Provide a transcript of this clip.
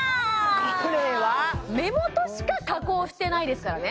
これは目元しか加工してないですからね